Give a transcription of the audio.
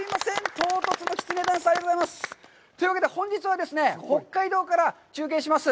唐突なきつねダンス、ありがとうございます！というわけで、本日はですね、北海道から中継します。